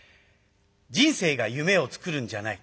「人生が夢をつくるんじゃない。